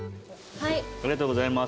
ありがとうございます。